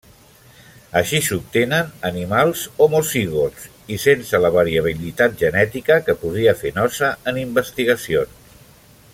Així s'obtenen animals homozigots i sense la variabilitat genètica que podria fer nosa en investigacions.